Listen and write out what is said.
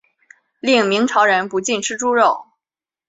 另明朝人不禁吃猪肉。